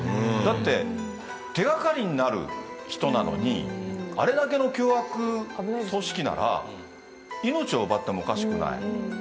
だって手掛かりになる人なのにあれだけの凶悪組織なら命を奪ってもおかしくない。